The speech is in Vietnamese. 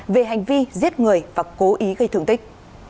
về hành vi giết người và cố ý gây thương tích